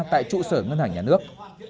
tại trụ sở ngân hàng nhà nước